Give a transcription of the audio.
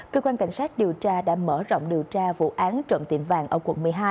cơ quan cảnh sát điều tra đã mở rộng điều tra vụ án trộm tiệm vàng ở quận một mươi hai